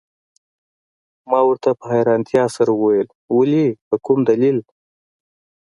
ما ورته په حیرانتیا سره وویل: ولي، په کوم دلیل؟